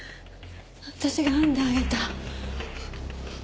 私が編んであげた。